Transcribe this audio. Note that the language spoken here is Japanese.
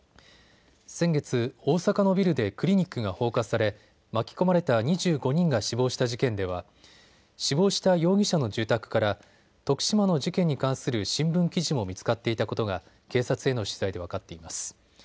先月、大阪のビルでクリニックが放火され巻き込まれた２５人が死亡した事件では死亡した容疑者の住宅から徳島の事件に関する新聞記事も見つかっていたことが警察への取材で分かっています。